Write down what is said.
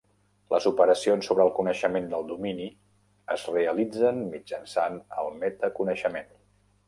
Les operacions sobre el coneixement del domini es realitzen mitjançant el metaconeixement.